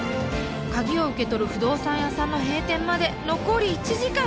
鍵を受け取る不動産屋さんの閉店まで残り１時間。